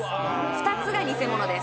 ２つが偽物です